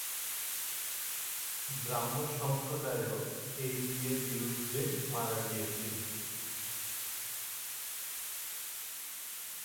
ব্রাহ্ম সম্প্রদায়ও এই বিয়ের বিরুদ্ধে মারা গিয়েছিল।